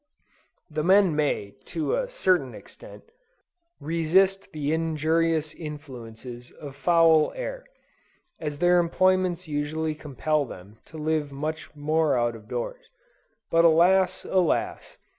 The men may, to a certain extent, resist the injurious influences of foul air; as their employments usually compel them to live much more out of doors: but alas, alas!